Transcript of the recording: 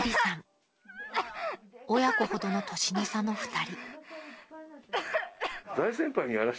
［親子ほどの年の差の２人］